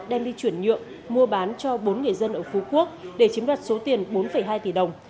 đem đi chuyển nhượng mua bán cho bốn người dân ở phú quốc để chiếm đoạt số tiền bốn hai tỷ đồng